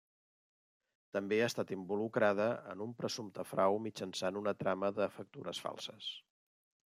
També ha estat involucrada en un presumpte frau mitjançant una trama de factures falses.